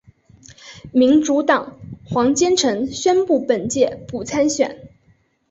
民主党黄坚成宣布本届不参选。